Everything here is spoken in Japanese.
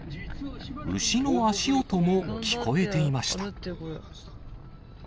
牛の足音も聞こえていました。